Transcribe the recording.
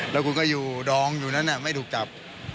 แล้วคุณก็อยู่ดองอยู่นั้นไม่ถูกจับ